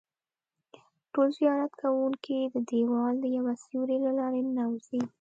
ټول زیارت کوونکي د دیوال د یوه سوري له لارې ننوځي.